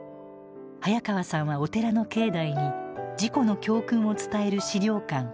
早川さんはお寺の境内に事故の教訓を伝える資料館